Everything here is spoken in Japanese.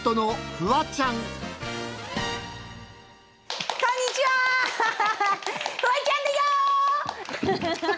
フワちゃんだよ！